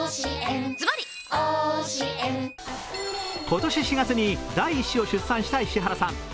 今年４月に第１子を出産した石原さん。